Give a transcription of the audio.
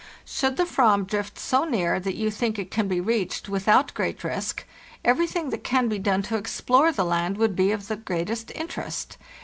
Should the /vam drift so near that you think it can be reached without great risk, everything that can be done to explore the land would be of the greatest interest.